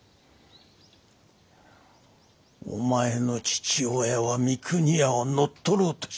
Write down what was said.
お前の父親は三国屋を乗っ取ろうとしたんだよ。